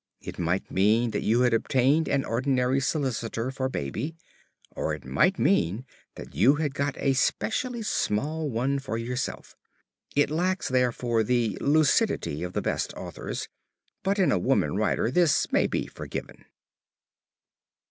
It might mean that you had obtained an ordinary solicitor for Baby or it might mean that you had got a specially small one for yourself. It lacks, therefore, the lucidity of the best authors, but in a woman writer this may be forgiven.